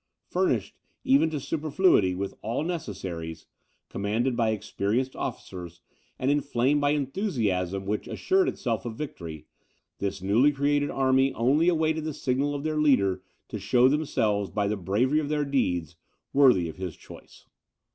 Furnished, even to superfluity, with all necessaries, commanded by experienced officers, and inflamed by enthusiasm which assured itself of victory, this newly created army only awaited the signal of their leader to show themselves, by the bravery of their deeds, worthy of his choice.